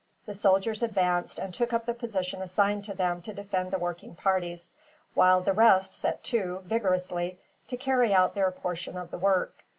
The soldiers advanced, and took up the position assigned to them to defend the working parties; while the rest set to, vigorously, to carry out their portion of the work.